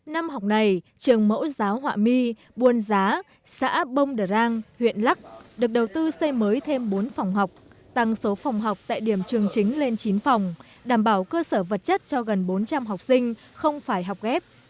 năm học này trường mẫu giáo họa my buôn giá xã bông đà rang huyện lắc được đầu tư xây mới thêm bốn phòng học tăng số phòng học tại điểm trường chính lên chín phòng đảm bảo cơ sở vật chất cho gần bốn trăm linh học sinh không phải học ghép